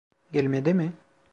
Gelmedi mi?